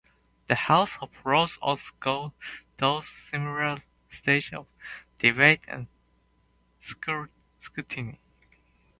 The House of Lords also goes through similar stages of debate and scrutiny.